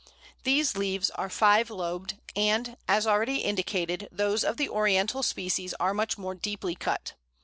These leaves are five lobed, and, as already indicated, those of the Oriental species are much more deeply cut.